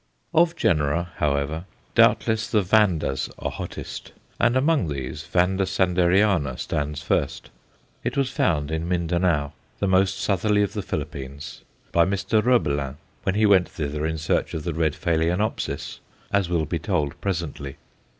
Of genera, however, doubtless the Vandas are hottest; and among these, V. Sanderiana stands first. It was found in Mindanao, the most southerly of the Philippines, by Mr. Roebelin when he went thither in search of the red Phaloenopsis, as will be told presently.